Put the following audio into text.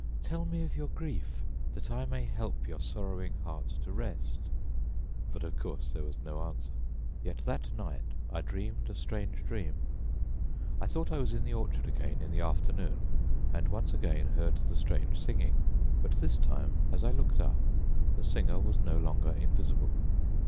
tell me of your grief that I may help your sorrowing heart to rest." But, of course, there was no answer; yet that night I dreamed a strange dream. I thought I was in the orchard again in the afternoon and once again heard the strange singing but this time, as I looked up, the singer was no longer invisible.